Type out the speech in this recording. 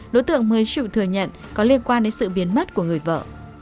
đối tượng mới chịu thừa nhận có liên quan đến sự biến mất của người vợ